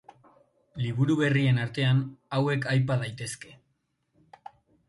Liburu berrien artean hauek aipa daitezke.